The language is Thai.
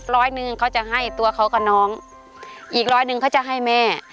ร้อยหนึ่งเขาจะให้ตัวเขากับน้องอีกร้อยหนึ่งเขาจะให้แม่